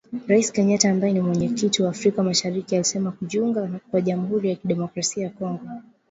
Rais Kenyatta ambaye ni Mwenyekiti wa afrika mashariki alisema kujiunga kwa Jamuhuri ya Demokrasia ya Kongo